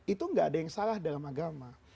itu gak ada yang salah dalam agama